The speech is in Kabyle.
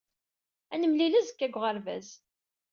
Ad nemlil azekka deg uɣerbaz.